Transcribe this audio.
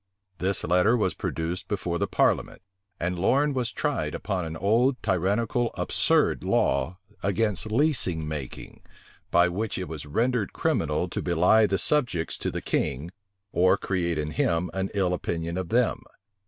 This letter was produced before the parliament; and Lorne was tried upon an old, tyrannical, absurd law against leasing making; by which it was rendered criminal to belie the subjects to the king, or create in him an ill opinion of them.